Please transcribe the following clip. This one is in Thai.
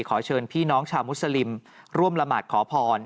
ขอเชิญพี่น้องชาวมุสลิมร่วมละหมาดขอพร